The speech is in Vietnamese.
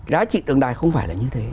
giá trị tượng đài không phải là như thế